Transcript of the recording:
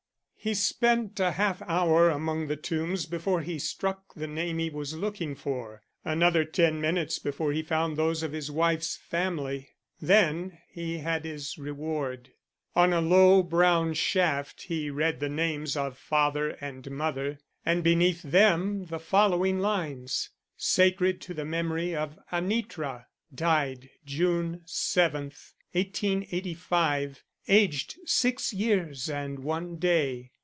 He spent a half hour among the tombs before he struck the name he was looking for. Another ten minutes before he found those of his wife's family. Then he had his reward. On a low brown shaft he read the names of father and mother, and beneath them the following lines: Sacred to the memory of Anitra Died June 7, 1885 Aged 6 years and one day.